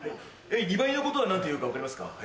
２倍のことは何て言うか分かりますか？